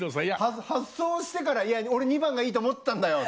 発走をしてから「いや俺２番がいいと思ってたんだよ